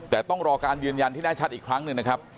แต่ต้องรอการยืนยันที่แน่ชัดอีกครั้งหนึ่งนะครับ